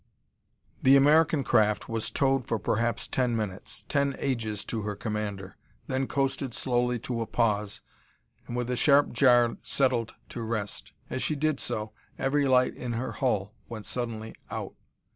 The American craft was towed for perhaps ten minutes ten ages to her commander then coasted slowly to a pause, and with a sharp jar settled into rest. As she did so, every light in her hull went suddenly out.